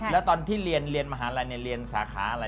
แล้วตอนที่เรียนเรียนมหาลัยเรียนสาขาอะไร